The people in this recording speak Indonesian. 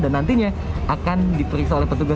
dan nantinya akan diperiksa oleh petugas